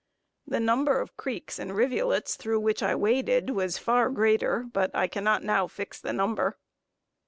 The number of creeks and rivulets through which I waded was far greater, but I cannot now fix the number.